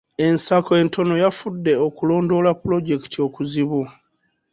Ensako entono yafudde okulondoola pulojekiti okuzibu.